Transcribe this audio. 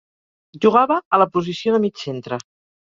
Jugava a la posició de mig centre.